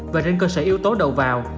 và trên cơ sở yếu tố đầu vào